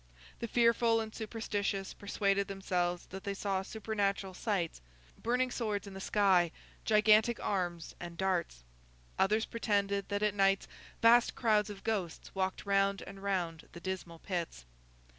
The fearful and superstitious persuaded themselves that they saw supernatural sights—burning swords in the sky, gigantic arms and darts. Others pretended that at nights vast crowds of ghosts walked round and round the dismal pits.